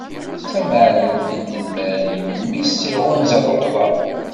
D tameɛlalt n tedmarin mmi-s iɣunza tuṭṭḍa.